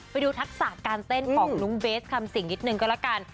ไปดูทักษะการเต้นของลุงเบสคำสิ่งนิดนึงก็ละกัน